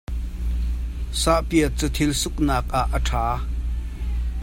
Sahpiat cu thil suknak ah a ṭha.